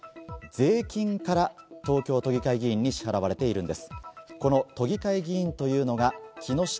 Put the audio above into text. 税金から東京都議会議員に支払われているんです。